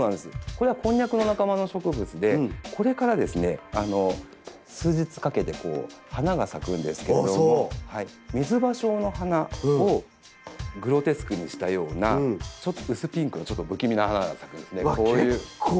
これはコンニャクの仲間の植物でこれから数日かけて花が咲くんですけどミズバショウの花をグロテスクにしたような薄ピンクのちょっと不気味な花が咲くんですね。